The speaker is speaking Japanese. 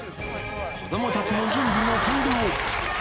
子どもたちの準備も完了。